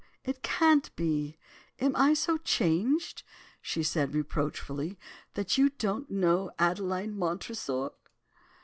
it can't be! Am I so changed?' she said reproachfully, 'that you don't know Adeline Montresor?